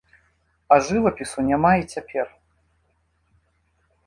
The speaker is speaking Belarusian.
А жывапісу няма і цяпер.